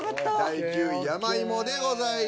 第９位山芋でございます。